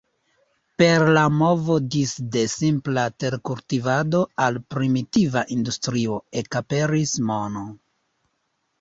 Per la movo disde simpla terkultivado al primitiva industrio, ekaperis mono.